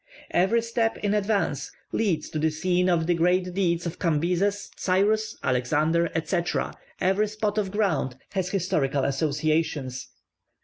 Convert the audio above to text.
Every step in advance leads to the scene of the great deeds of Cambyses, Cyrus, Alexander, etc.: every spot of ground has historical associations.